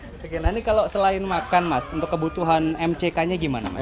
oke nah ini kalau selain makan mas untuk kebutuhan mck nya gimana